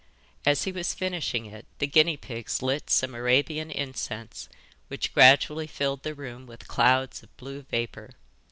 As he was finishing it the guinea pigs lit some Arabian incense, which gradually filled the room with clouds of blue vapour.